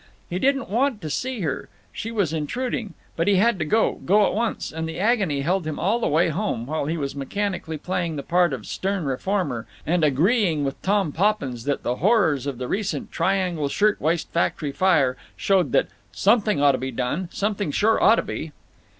He didn't want to see her; she was intruding; but he had to go—go at once; and the agony held him all the way home, while he was mechanically playing the part of stern reformer and agreeing with Tom Poppins that the horrors of the recent Triangle shirt waist factory fire showed that "something oughta be done—something sure oughta be."